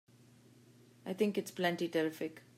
I think it's plenty terrific!